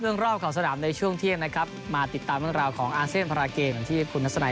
เลือดขับข่าวสนามในช่วงเที่ยงนะครับมาติดตามเรื่องราวของเพิ่มลอด